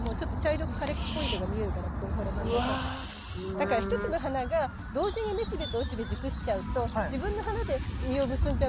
だから一つの花が同時にめしべとおしべ熟しちゃうと自分の花で実を結んじゃうかもしれないじゃない。